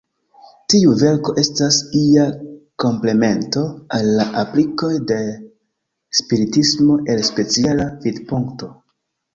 Tiu verko estas ia komplemento al la aplikoj de Spiritismo el speciala vidpunkto.